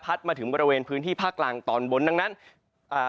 มาถึงบริเวณพื้นที่ภาคกลางตอนบนดังนั้นอ่า